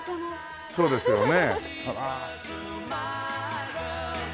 そうですよね。